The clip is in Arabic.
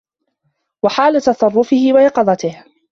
وَحَالُ تَصَرُّفِهِ وَيَقِظَتِهِ